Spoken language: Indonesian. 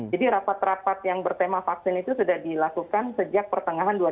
jadi rapat rapat yang bertema vaksin itu sudah dilakukan sejak pertengahan dua ribu dua puluh